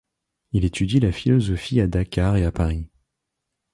Il étudie la philosophie à Dakar et à Paris.